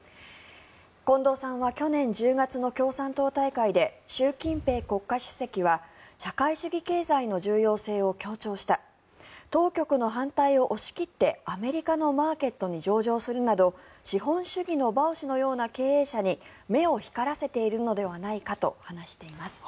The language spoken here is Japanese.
近藤さんは去年１０月の共産党大会で習近平国家主席は社会主義経済の重要性を強調した当局の反対を押し切ってアメリカのマーケットに上場するなど資本主義のバオ氏のような経営者に目を光らせているのではないかと話しています。